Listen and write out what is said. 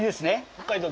北海道